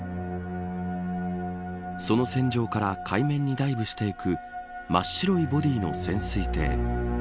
その船上から海面にダイブしていく真っ白いボディーの潜水艇。